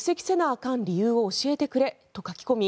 かん理由を教えてくれと書き込み